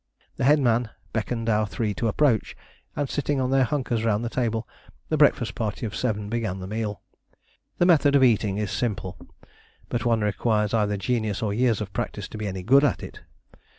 The headman beckoned our three to approach, and, sitting on their hunkers round the table, the breakfast party of seven began the meal. The method of eating is simple, but one requires either genius or years of practice to be any good at it.